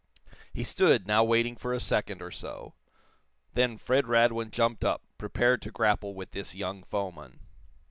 He stood, now waiting for a second or so. Then Fred Radwin jumped up, prepared to grapple with this young foeman.